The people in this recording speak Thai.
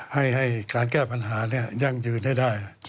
ให้การแก้ปัญหายั่งยืนให้ได้